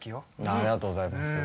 ありがとうございます。